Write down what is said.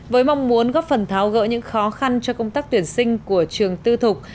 với mong muốn góp phần tháo gỡ những khó khăn cho công tác tuyển sinh của trường tư thục